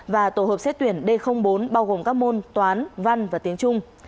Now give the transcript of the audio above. và tổ hợp xếp tuyển d bốn bao gồm các môn toán văn và tiến trung